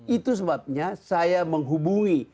itu sebabnya saya menghubungi